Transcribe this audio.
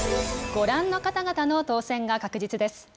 ご覧の方々の当選が確実です。